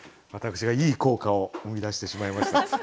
私がいい効果を生み出してしまいました。